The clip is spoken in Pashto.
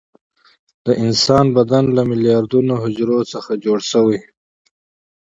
د انسان بدن له میلیاردونو حجرو څخه جوړ شوى ده.